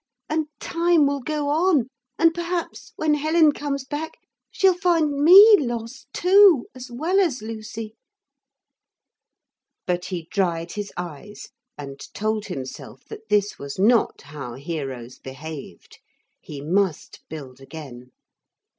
And time will go on. And, perhaps, when Helen comes back she'll find me lost too as well as Lucy.' But he dried his eyes and told himself that this was not how heroes behaved. He must build again.